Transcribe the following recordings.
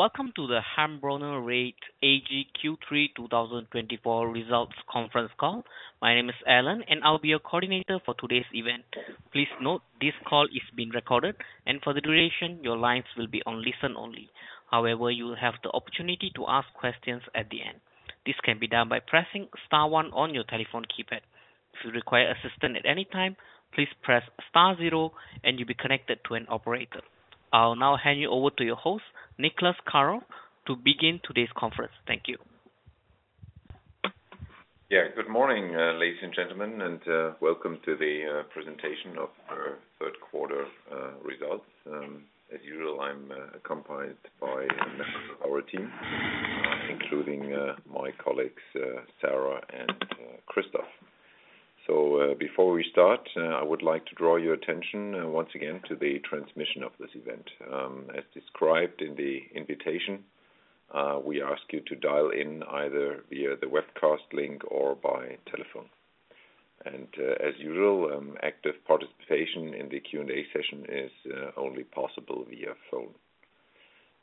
Welcome to the Hamborner REIT AG Q3 2024 Results Conference Call. My name is Alan, and I'll be your coordinator for today's event. Please note this call is being recorded, and for the duration, your lines will be on listen only. However, you will have the opportunity to ask questions at the end. This can be done by pressing star one on your telephone keypad. If you require assistance at any time, please press star zero, and you'll be connected to an operator. I'll now hand you over to your host, Niclas Karoff, to begin today's conference. Thank you. Yeah, good morning, ladies and gentlemen, and welcome to the presentation of Q3 results. As usual, I'm accompanied by members of our team, including my colleagues, Sarah and Christoph. So before we start, I would like to draw your attention once again to the transmission of this event. As described in the invitation, we ask you to dial in either via the webcast link or by telephone. And as usual, active participation in the Q&A session is only possible via phone.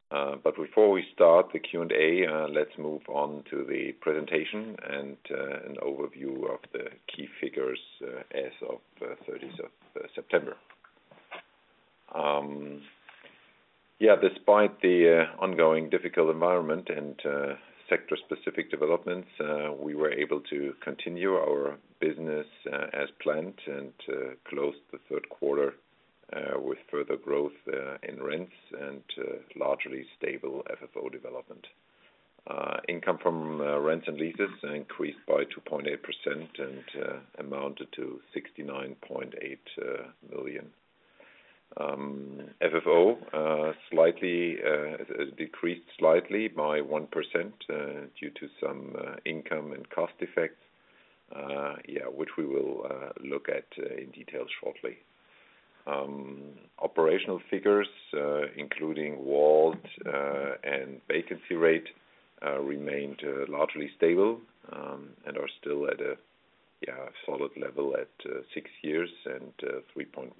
But before we start the Q&A, let's move on to the presentation and an overview of the key figures as of 30th of September. Yeah, despite the ongoing difficult environment and sector-specific developments, we were able to continue our business as planned and close the Q3 with further growth in rents and largely stable FFO development. Income from rents and leases increased by 2.8% and amounted to 69.8 million. FFO decreased slightly by 1% due to some income and cost effects, yeah, which we will look at in detail shortly. Operational figures, including WALT and vacancy rate, remained largely stable and are still at a solid level at six years and 3.1%.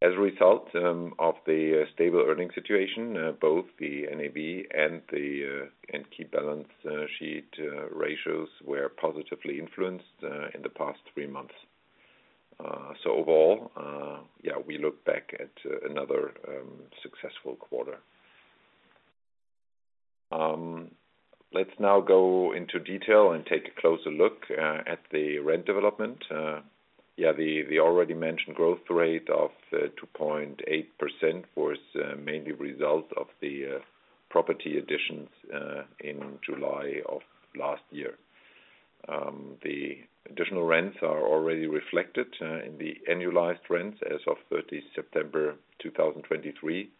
As a result of the stable earning situation, both the NAV and the key balance sheet ratios were positively influenced in the past three months. So overall, yeah, we look back at another successful quarter. Let's now go into detail and take a closer look at the rent development. Yeah, the already mentioned growth rate of 2.8% was mainly the result of the property additions in July of last year. The additional rents are already reflected in the annualized rents as of 30 September 2023,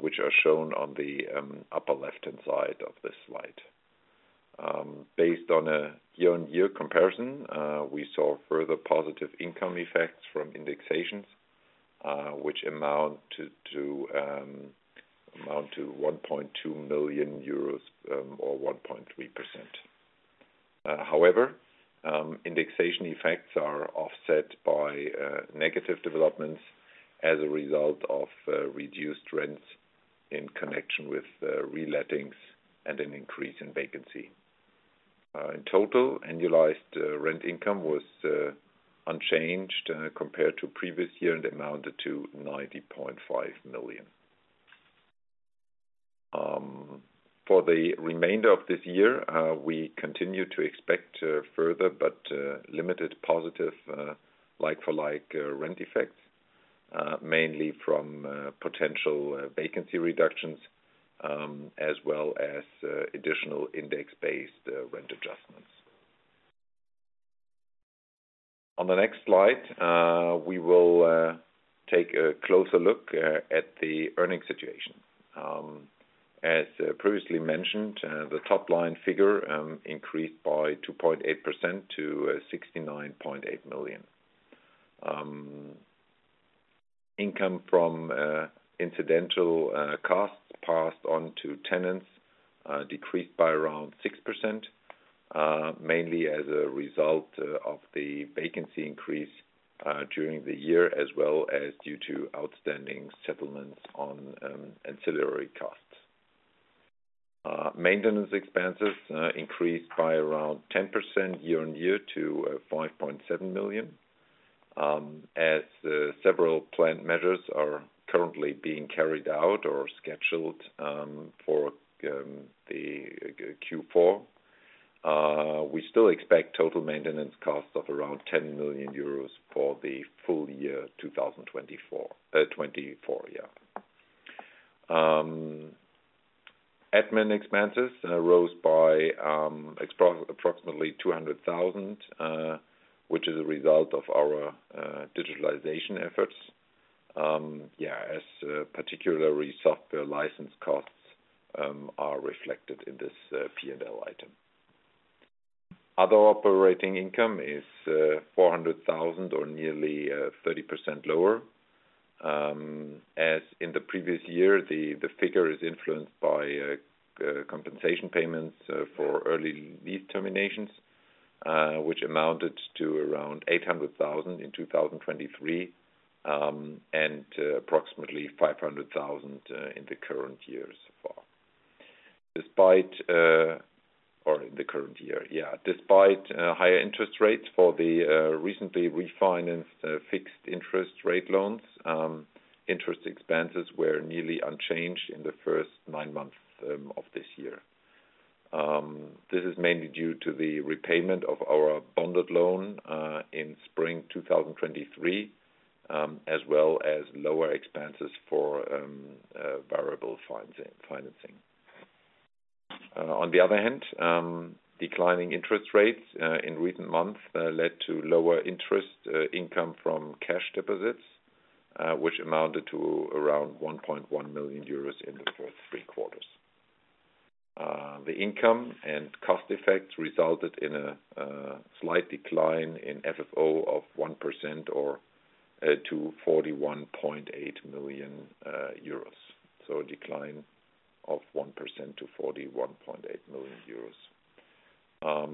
which are shown on the upper left-hand side of this slide. Based on a year-on-year comparison, we saw further positive income effects from indexations, which amount to 1.2 million euros or 1.3%. However, indexation effects are offset by negative developments as a result of reduced rents in connection with relettings and an increase in vacancy. In total, annualized rent income was unchanged compared to previous year and amounted to 90.5 million. For the remainder of this year, we continue to expect further but limited positive like-for-like rent effects, mainly from potential vacancy reductions as well as additional index-based rent adjustments. On the next slide, we will take a closer look at the earning situation. As previously mentioned, the top line figure increased by 2.8% to 69.8 million. Income from incidental costs passed on to tenants decreased by around 6%, mainly as a result of the vacancy increase during the year as well as due to outstanding settlements on ancillary costs. Maintenance expenses increased by around 10% year-on-year to 5.7 million. As several planned measures are currently being carried out or scheduled for the Q4, we still expect total maintenance costs of around 10 million euros for the full year 2024. Admin expenses rose by approximately 200,000 which is a result of our digitalization efforts, yeah, as particularly software license costs are reflected in this P&L item. Other operating income is 400,000 or nearly 30% lower. As in the previous year, the figure is influenced by compensation payments for early lease terminations, which amounted to around 800,000 in 2023 and approximately 500,000 in the current year so far. Despite higher interest rates for the recently refinanced fixed interest rate loans, interest expenses were nearly unchanged in the first nine months of this year. This is mainly due to the repayment of our bonded loan in spring 2023, as well as lower expenses for variable financing. On the other hand, declining interest rates in recent months led to lower interest income from cash deposits, which amounted to around 1.1 million euros in the first three quarters. The income and cost effects resulted in a slight decline in FFO of 1% to 41.8 million euros. So a decline of 1% to 41.8 million euros.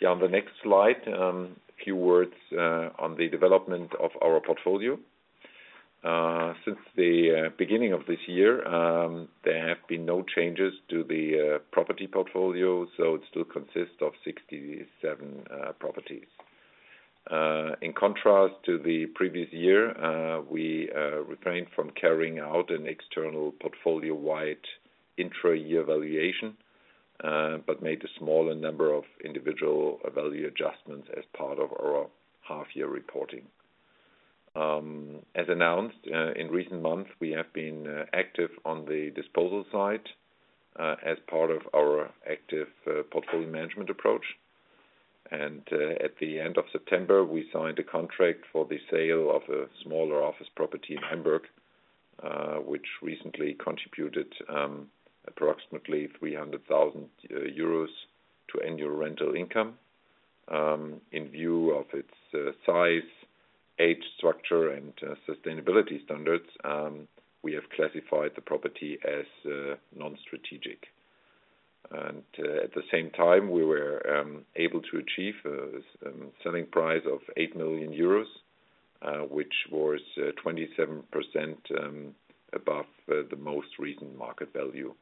Yeah, on the next slide, a few words on the development of our portfolio. Since the beginning of this year, there have been no changes to the property portfolio, so it still consists of 67 properties. In contrast to the previous year, we refrained from carrying out an external portfolio-wide intra-year valuation but made a smaller number of individual value adjustments as part of our half-year reporting. As announced, in recent months, we have been active on the disposal side as part of our active portfolio management approach. And at the end of September, we signed a contract for the sale of a smaller office property in Hamburg, which recently contributed approximately 300,000 euros to annual rental income. In view of its size, age structure, and sustainability standards, we have classified the property as non-strategic. And at the same time, we were able to achieve a selling price of 8 million euros, which was 27% above the most recent market value.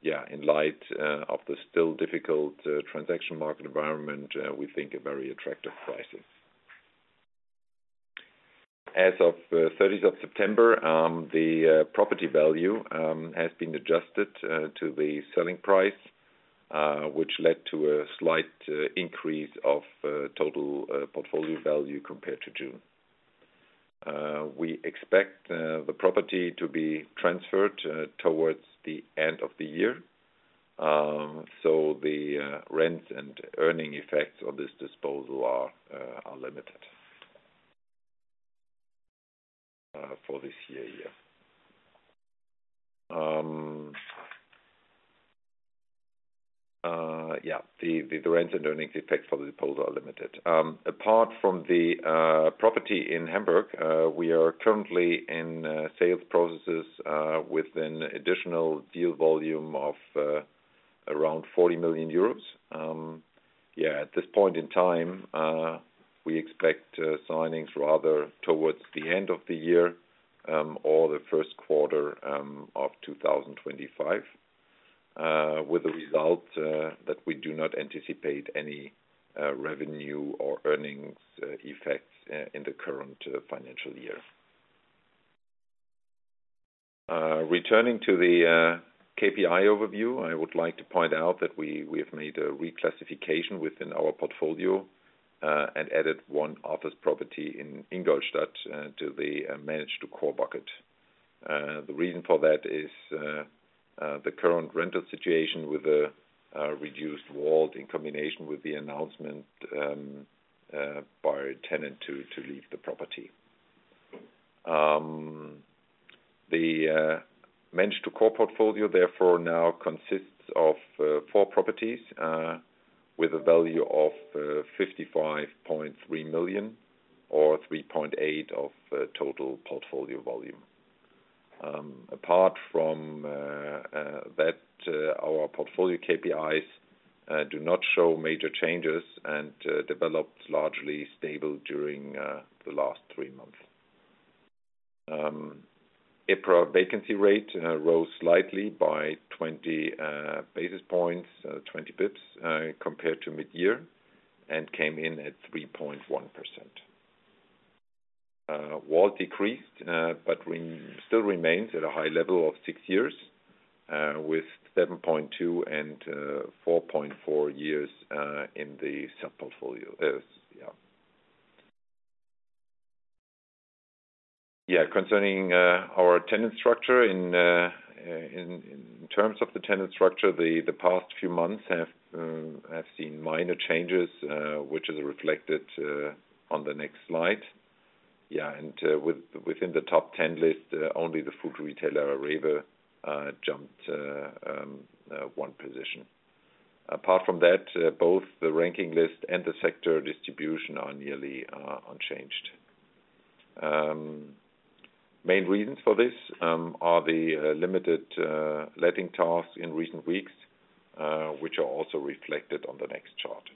Yeah, in light of the still difficult transaction market environment, we think a very attractive pricing. As of 30th of September, the property value has been adjusted to the selling price, which led to a slight increase of total portfolio value compared to June. We expect the property to be transferred towards the end of the year, so the rents and earnings effects of this disposal are limited for this year. Apart from the property in Hamburg, we are currently in sales processes with an additional deal volume of around 40 million euros. At this point in time, we expect signings rather towards the end of the year or the Q1 of 2025, with a result that we do not anticipate any revenue or earnings effects in the current financial year. Returning to the KPI overview, I would like to point out that we have made a reclassification within our portfolio and added one office property in Ingolstadt to the Manage-to-Core bucket. The reason for that is the current rental situation with a reduced wallet in combination with the announcement by tenant to leave the property. The managed-to-core portfolio, therefore, now consists of four properties with a value of 55.3 million or 3.8% of total portfolio volume. Apart from that, our portfolio KPIs do not show major changes and developed largely stable during the last three months. EPRA vacancy rate rose slightly by 20 basis points, 20 bps, compared to mid-year and came in at 3.1%. WALT decreased, but still remains at a high level of six years with 7.2 and 4.4 years in the sub-portfolio. Yeah. Yeah, concerning our tenant structure, in terms of the tenant structure, the past few months have seen minor changes, which is reflected on the next slide. Yeah, and within the top 10 list, only the food retailer Arriva jumped one position. Apart from that, both the ranking list and the sector distribution are nearly unchanged. Main reasons for this are the limited letting tasks in recent weeks, which are also reflected on the next chart.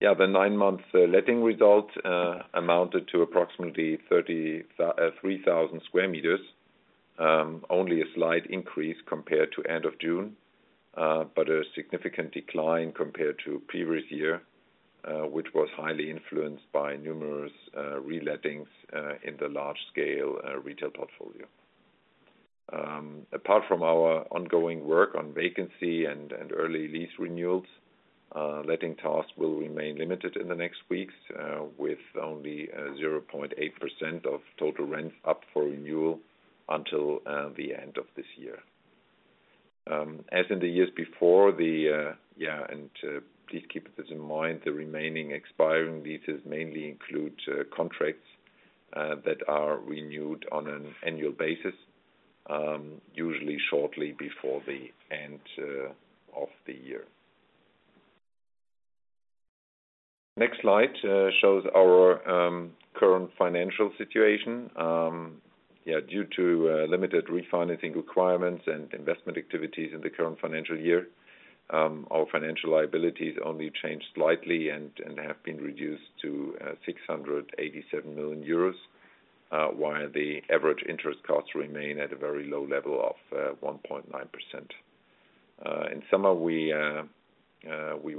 Yeah, the nine-month letting result amounted to approximately 3,000 square meters, only a slight increase compared to end of June, but a significant decline compared to previous year, which was highly influenced by numerous relettings in the large-scale retail portfolio. Apart from our ongoing work on vacancy and early lease renewals, letting tasks will remain limited in the next weeks with only 0.8% of total rents up for renewal until the end of this year. As in the years before, the yeah, and please keep this in mind, the remaining expiring leases mainly include contracts that are renewed on an annual basis, usually shortly before the end of the year. Next slide shows our current financial situation. Yeah, due to limited refinancing requirements and investment activities in the current financial year, our financial liabilities only changed slightly and have been reduced to 687 million euros, while the average interest costs remain at a very low level of 1.9%. In summer, we were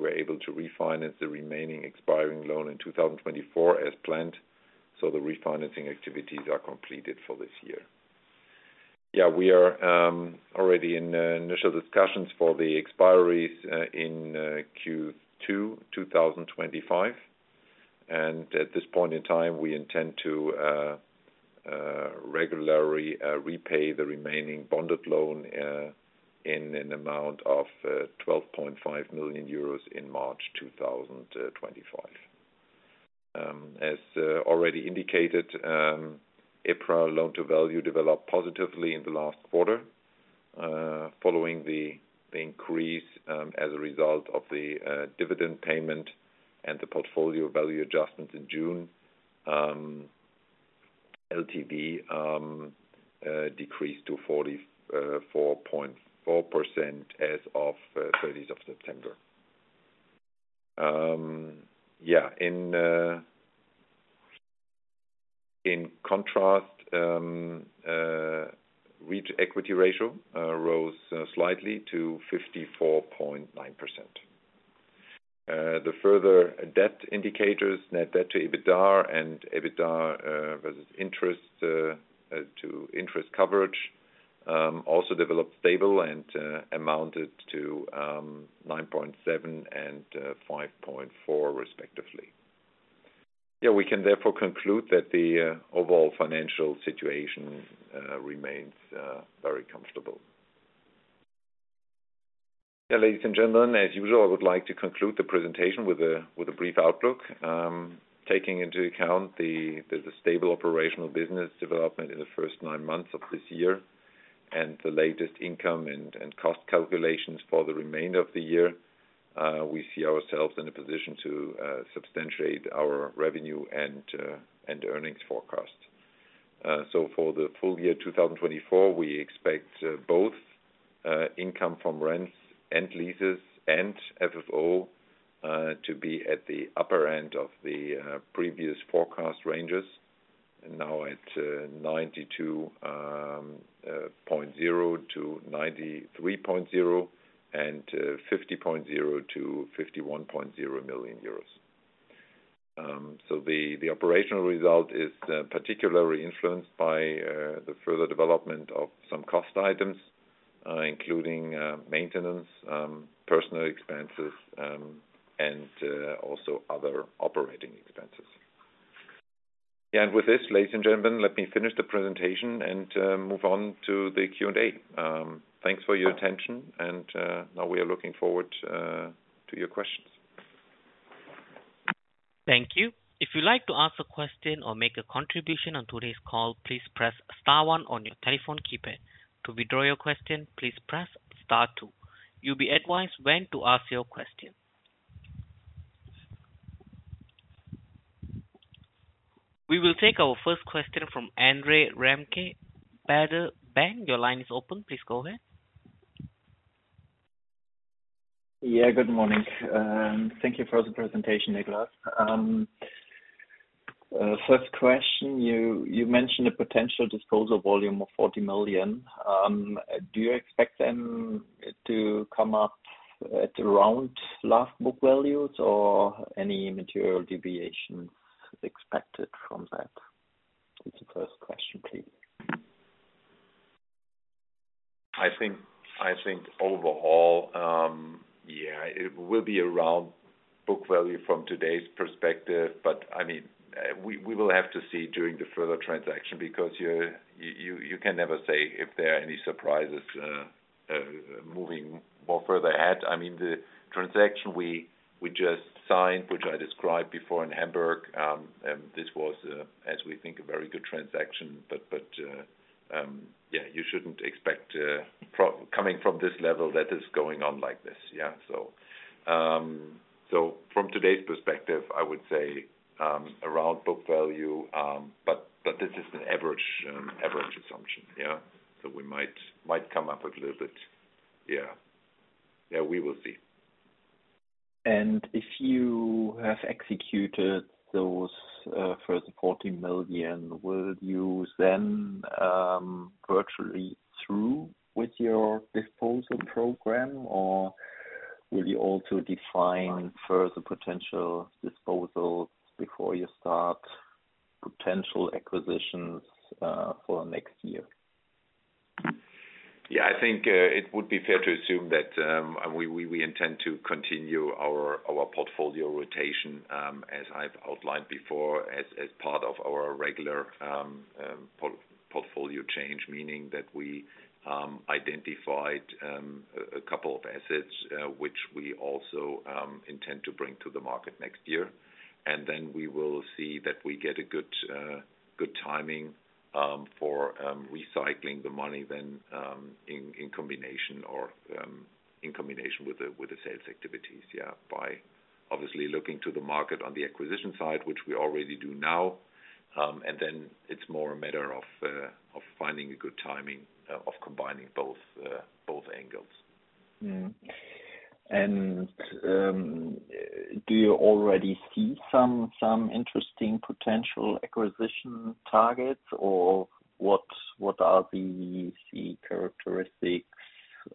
able to refinance the remaining expiring loan in 2024 as planned, so the refinancing activities are completed for this year. Yeah, we are already in initial discussions for the expiries in Q2 2025. And at this point in time, we intend to regularly repay the remaining bonded loan in an amount of 12.5 million euros in March 2025. As already indicated, EPRA loan-to-value developed positively in the last quarter. Following the increase as a result of the dividend payment and the portfolio value adjustment in June, LTV decreased to 44.4% as of 30th of September. Yeah, in contrast, REIT equity ratio rose slightly to 54.9%. The further debt indicators, net debt to EBITDA and EBITDA to interest coverage, also developed stable and amounted to 9.7 and 5.4 respectively. Yeah, we can therefore conclude that the overall financial situation remains very comfortable. Yeah, ladies and gentlemen, as usual, I would like to conclude the presentation with a brief outlook. Taking into account the stable operational business development in the first nine months of this year and the latest income and cost calculations for the remainder of the year, we see ourselves in a position to substantiate our revenue and earnings forecasts. So for the full year 2024, we expect both income from rents and leases and FFO to be at the upper end of the previous forecast ranges, now at 92.0 million-93.0 million and 50.0 million-51.0 million euros. So the operational result is particularly influenced by the further development of some cost items, including maintenance, personal expenses, and also other operating expenses. Yeah, and with this, ladies and gentlemen, let me finish the presentation and move on to the Q&A. Thanks for your attention, and now we are looking forward to your questions. Thank you. If you'd like to ask a question or make a contribution on today's call, please press star one on your telephone keypad. To withdraw your question, please press star two. You'll be advised when to ask your question. We will take our first question from Andre Remke, Baader Bank. Your line is open. Please go ahead. Yeah, good morning. Thank you for the presentation, Niclas. First question, you mentioned a potential disposal volume of 40 million. Do you expect them to come up at around last book values, or any material deviations expected from that? That's the first question, please. I think overall, yeah, it will be around book value from today's perspective, but I mean, we will have to see during the further transaction because you can never say if there are any surprises moving more further ahead. I mean, the transaction we just signed, which I described before in Hamburg, this was, as we think, a very good transaction. But yeah, you shouldn't expect coming from this level that it's going on like this. Yeah, so from today's perspective, I would say around book value, but this is an average assumption. Yeah, so we might come up a little bit. Yeah. Yeah, we will see. If you have executed those first 40 million, will you then be virtually through with your disposal program, or will you also define further potential disposals before you start potential acquisitions for next year? Yeah, I think it would be fair to assume that we intend to continue our portfolio rotation, as I've outlined before, as part of our regular portfolio change, meaning that we identified a couple of assets which we also intend to bring to the market next year. And then we will see that we get a good timing for recycling the money then in combination with the sales activities, yeah, by obviously looking to the market on the acquisition side, which we already do now. And then it's more a matter of finding a good timing of combining both angles. Do you already see some interesting potential acquisition targets, or what are the key characteristics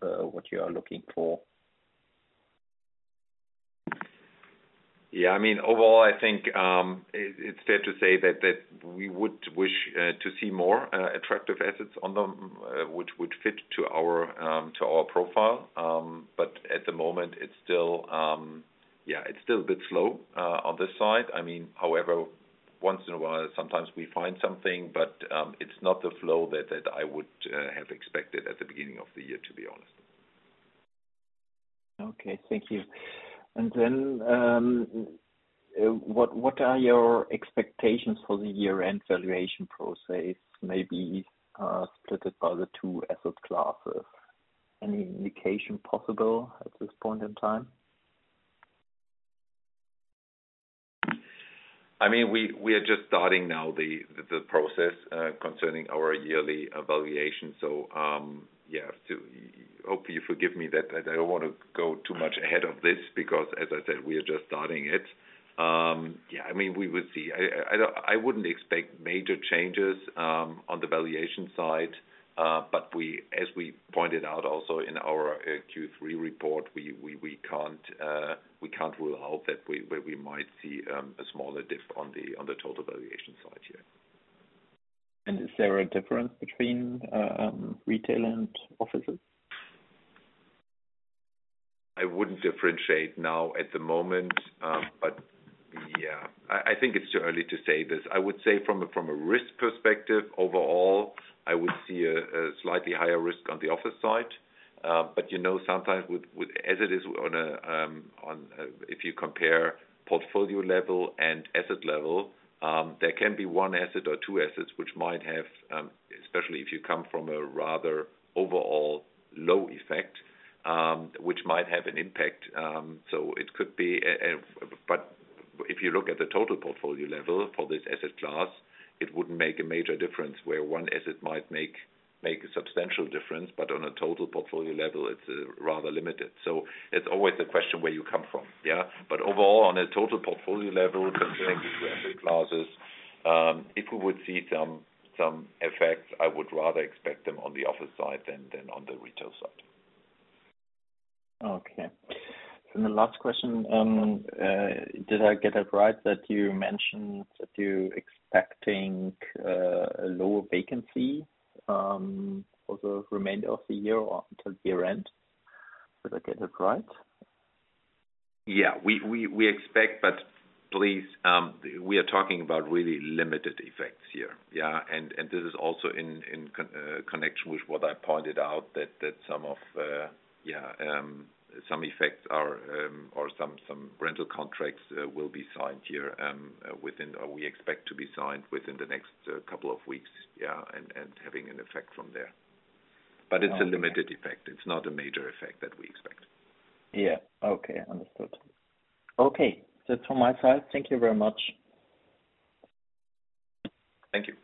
what you are looking for? Yeah, I mean, overall, I think it's fair to say that we would wish to see more attractive assets on them which would fit to our profile. But at the moment, yeah, it's still a bit slow on this side. I mean, however, once in a while, sometimes we find something, but it's not the flow that I would have expected at the beginning of the year, to be honest. Okay, thank you. And then what are your expectations for the year-end valuation process, maybe split it by the two asset classes? Any indication possible at this point in time? I mean, we are just starting now the process concerning our yearly valuation. So yeah, hopefully, you forgive me that I don't want to go too much ahead of this because, as I said, we are just starting it. Yeah, I mean, we will see. I wouldn't expect major changes on the valuation side, but as we pointed out also in our Q3 report, we can't rule out that we might see a smaller dip on the total valuation side here. Is there a difference between retail and offices? I wouldn't differentiate now at the moment, but yeah, I think it's too early to say this. I would say from a risk perspective, overall, I would see a slightly higher risk on the office side. But sometimes, as it is on a if you compare portfolio level and asset level, there can be one asset or two assets which might have, especially if you come from a rather overall low effect, which might have an impact. So it could be. But if you look at the total portfolio level for this asset class, it wouldn't make a major difference where one asset might make a substantial difference, but on a total portfolio level, it's rather limited. So it's always a question where you come from. Yeah, but overall, on a total portfolio level concerning these two asset classes, if we would see some effect, I would rather expect them on the office side than on the retail side. Okay, and the last question, did I get it right that you mentioned that you're expecting a lower vacancy for the remainder of the year until year-end? Did I get it right? Yeah, we expect, but please, we are talking about really limited effects here. Yeah, and this is also in connection with what I pointed out, that some effects or some rental contracts will be signed here within or we expect to be signed within the next couple of weeks, yeah, and having an effect from there. But it's a limited effect. It's not a major effect that we expect. Yeah. Okay. Understood. Okay. That's all my side. Thank you very much. Thank you.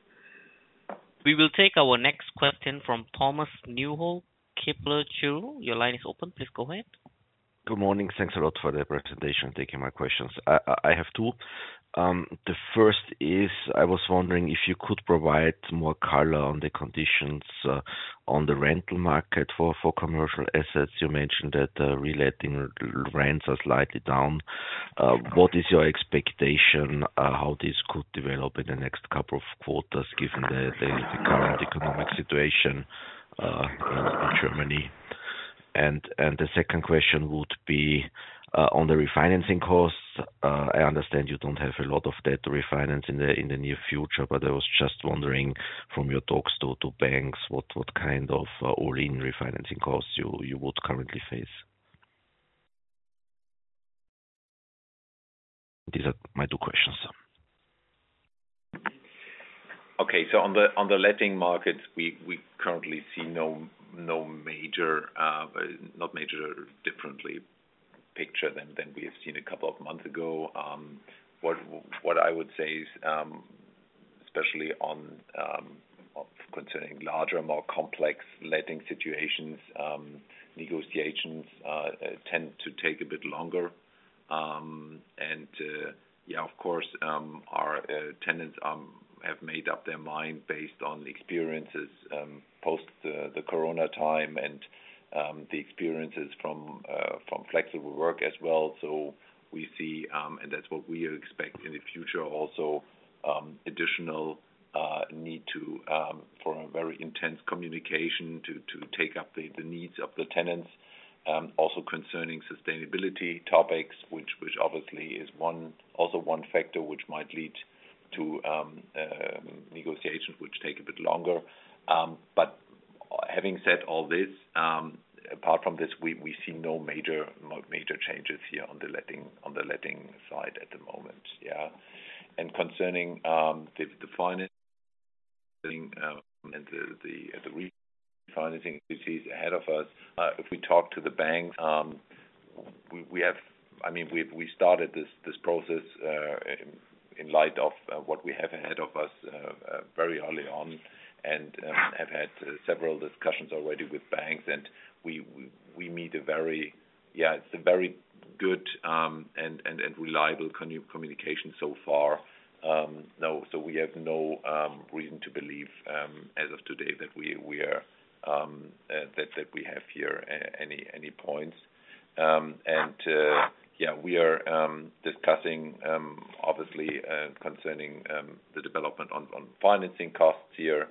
We will take our next question from Thomas Neuhold, Kepler Cheuvreux. Your line is open. Please go ahead. Good morning. Thanks a lot for the presentation and taking my questions. I have two. The first is I was wondering if you could provide more color on the conditions on the rental market for commercial assets. You mentioned that reletting rents are slightly down. What is your expectation how this could develop in the next couple of quarters given the current economic situation in Germany? And the second question would be on the refinancing costs. I understand you don't have a lot of debt to refinance in the near future, but I was just wondering from your talks to banks, what kind of all-in refinancing costs you would currently face? These are my two questions. Okay. So on the letting market, we currently see no major, not a major different picture than we have seen a couple of months ago. What I would say is, especially concerning larger, more complex letting situations, negotiations tend to take a bit longer. And yeah, of course, our tenants have made up their mind based on the experiences post the corona time and the experiences from flexible work as well. So we see, and that's what we expect in the future, also additional need for a very intense communication to take up the needs of the tenants. Also concerning sustainability topics, which obviously is also one factor which might lead to negotiations which take a bit longer. But having said all this, apart from this, we see no major changes here on the letting side at the moment. Yeah. Concerning the financing and the refinancing ahead of us, if we talk to the banks, I mean, we started this process in light of what we have ahead of us very early on and have had several discussions already with banks. We meet a very good and reliable communication so far. We have no reason to believe as of today that we have here any points. We are discussing, obviously, concerning the development on financing costs here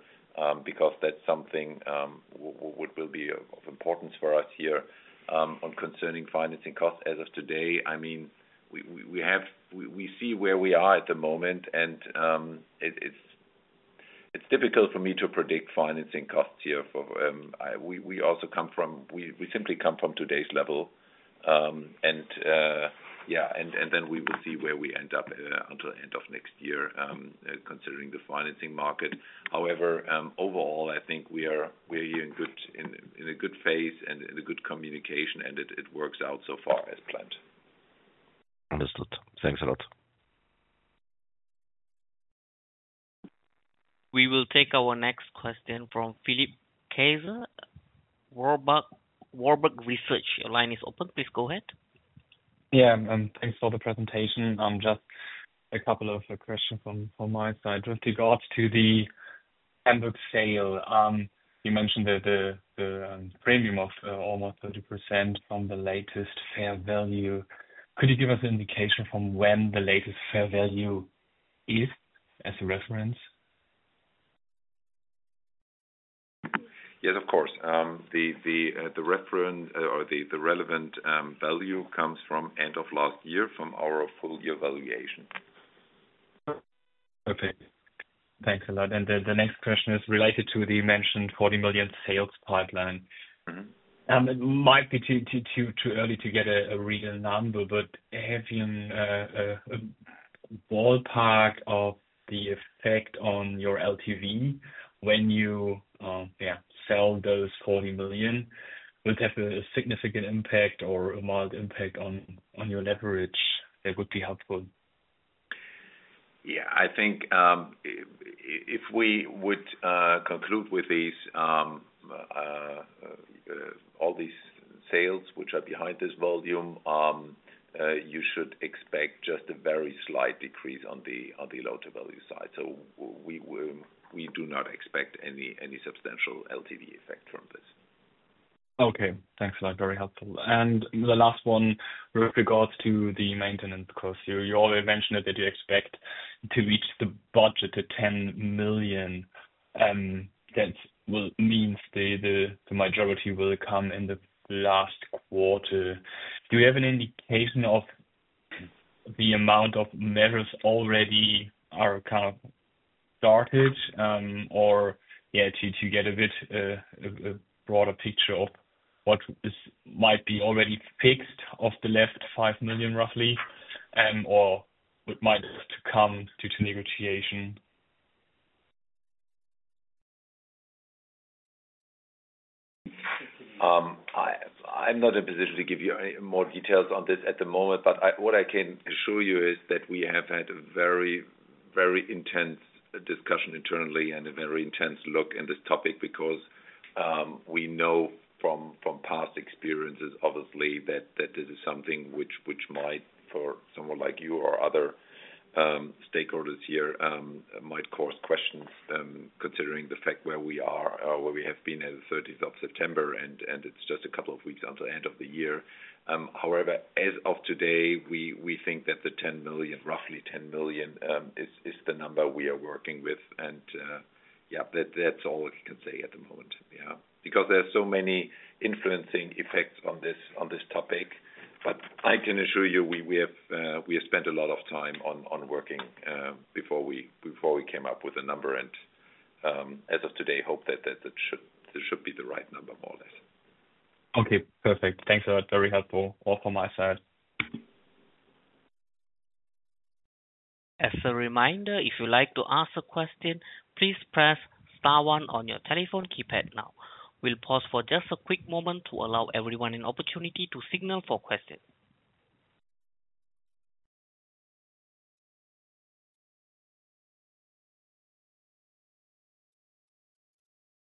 because that's something which will be of importance for us here. Concerning financing costs as of today, I mean, we see where we are at the moment, and it's difficult for me to predict financing costs here. We simply come from today's level. And yeah, and then we will see where we end up until the end of next year considering the financing market. However, overall, I think we are in a good phase and in a good communication, and it works out so far as planned. Understood. Thanks a lot. We will take our next question from Philipp Kaiser, Warburg Research. Your line is open. Please go ahead. Yeah, and thanks for the presentation. Just a couple of questions from my side with regards to the Hamburg sale. You mentioned that the premium of almost 30% from the latest fair value. Could you give us an indication from when the latest fair value is as a reference? Yes, of course. The reference or the relevant value comes from end of last year from our full-year valuation. Okay. Thanks a lot, and the next question is related to the mentioned 40 million sales pipeline. It might be too early to get a real number, but having a ballpark of the effect on your LTV when you sell those 40 million would have a significant impact or a mild impact on your leverage. That would be helpful. Yeah, I think if we would conclude with all these sales which are behind this volume, you should expect just a very slight decrease on the loan-to-value side. So we do not expect any substantial LTV effect from this. Okay. Thanks a lot. Very helpful. And the last one with regards to the maintenance costs. You already mentioned that you expect to reach the budget to 10 million. That means the majority will come in the last quarter. Do you have an indication of the amount of measures already are kind of started or to get a bit of a broader picture of what might be already fixed of the left 5 million roughly or what might come due to negotiation? I'm not in a position to give you any more details on this at the moment, but what I can show you is that we have had a very intense discussion internally and a very intense look in this topic because we know from past experiences, obviously, that this is something which might, for someone like you or other stakeholders here, might cause questions considering the fact where we are or where we have been as of 30th of September, and it's just a couple of weeks until the end of the year. However, as of today, we think that the 10 million, roughly 10 million, is the number we are working with. And yeah, that's all I can say at the moment. Yeah, because there are so many influencing effects on this topic. But I can assure you we have spent a lot of time on working before we came up with a number. And as of today, hope that this should be the right number, more or less. Okay. Perfect. Thanks a lot. Very helpful. All from my side. As a reminder, if you'd like to ask a question, please press star one on your telephone keypad now. We'll pause for just a quick moment to allow everyone an opportunity to signal for questions.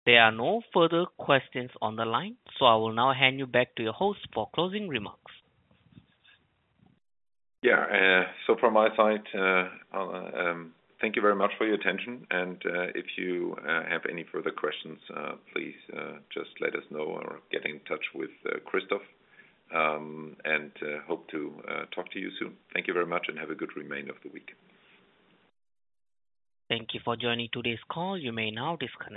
There are no further questions on the line, so I will now hand you back to your host for closing remarks. Yeah. So from my side, thank you very much for your attention. And if you have any further questions, please just let us know or get in touch with Christoph, and hope to talk to you soon. Thank you very much and have a good remainder of the week. Thank you for joining today's call. You may now disconnect.